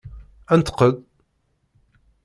Nṭeq-d!